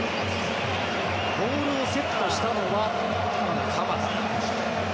ボールをセットしたのは鎌田。